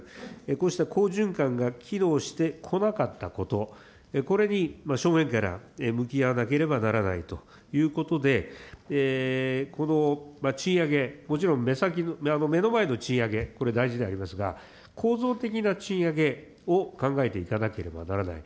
こうした好循環が機能してこなかったこと、これに正面から向き合わなければならないということで、この賃上げ、もちろん目の前の賃上げ、これ大事でありますが、構造的な賃上げを考えていかなければならない。